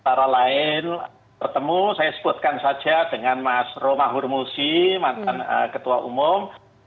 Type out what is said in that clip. antara lain bertemu saya sebutkan saja dengan mas romahur musi mantan ketua umum